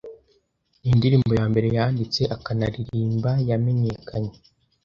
Nindirimbo yambere yanditse akanaririmba yamenyekanye.